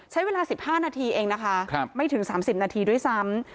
ใช้เวลา๑๕นาทีเองนะคะไม่ถึง๓๐นาทีด้วยซ้ำ